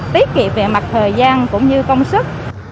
tiết kiệm về mặt thời gian cũng như công sức